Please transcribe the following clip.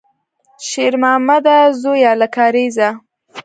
شېرمامده زویه، له کارېزه!